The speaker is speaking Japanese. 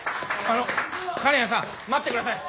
あの金谷さん待ってください。